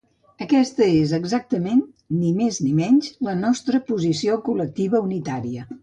Aquesta és exactament, ni més ni menys, la nostra posició col·lectiva unitària.